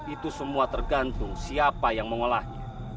itu semua tergantung siapa yang mengolahnya